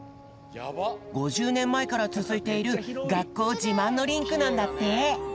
５０ねんまえからつづいているがっこうじまんのリンクなんだって。